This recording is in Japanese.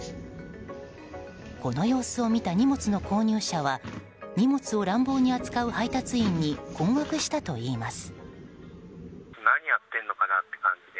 この様子を見た荷物の購入者は荷物を乱暴に扱う配達員に困惑したといいます。